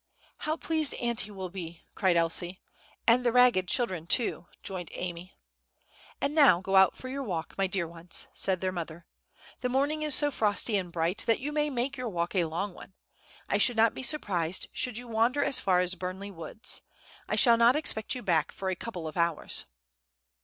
"How pleased auntie will be!" cried Elsie. "And the ragged children, too," joined in Amy. "And now go out for your walk, my dear ones," said their mother; "the morning is so frosty and bright that you may make your walk a long one; I should not be surprised should you wander as far as Burnley woods. I shall not expect you back for a couple of hours."